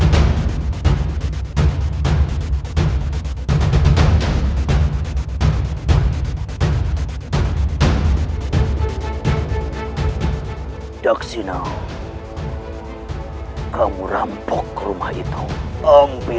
kau tiba tiba bisa muncul disini